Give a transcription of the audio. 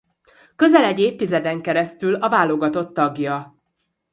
Közel egy évtizeden keresztül a válogatott tagja.